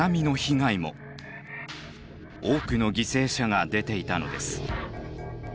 多くの犠牲者が出ていたのです。